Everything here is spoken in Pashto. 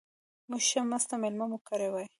موږ ښه مسته مېله مو کړې وای.